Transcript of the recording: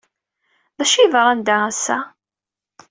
D acu ay yeḍran da ass-a?